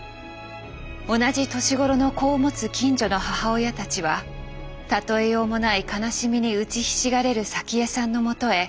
同じ年頃の子を持つ近所の母親たちは例えようもない悲しみに打ちひしがれる早紀江さんのもとへ通い続けました。